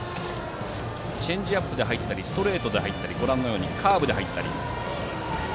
チェンジアップで入ったりストレートで入ったりカーブで入ったりと。